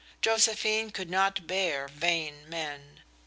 Josephine could not bear vain men.